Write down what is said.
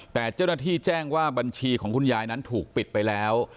แต่เจ้าหน้าที่แจ้งว่าบัญชีของคุณยายนั้นถูกปิดไปแล้ว